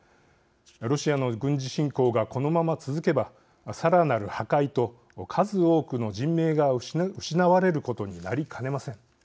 ロシアの軍事侵攻がこのまま続けば、さらなる破壊と数多くの人命が失われることになりかねません。